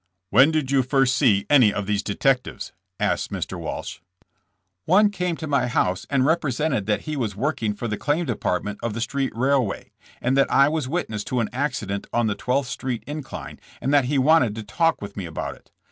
''When did you first see any of these detectives?" asked Mr. Walsh. "One came to my house and represented that he was working for the claim department of the street railway, and that I was witness to an accident on the Twelfth street incline, and that he wanted to talk with me about it.